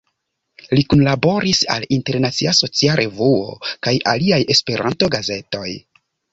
Li kunlaboris al "Internacia Socia Revuo" kaj aliaj Esperanto-gazetoj.